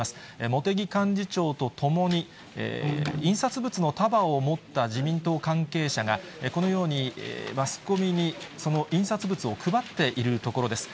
茂木幹事長と共に、印刷物の束を持った自民党関係者が、このようにマスコミにその印刷物を配っているところです。